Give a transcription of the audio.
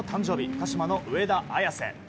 鹿島の上田綺世。